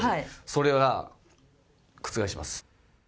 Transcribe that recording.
それは覆します。